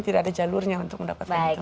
tidak ada jalurnya untuk mendapatkan itu